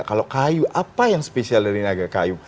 kalau kayu apa yang spesial dari naga kayu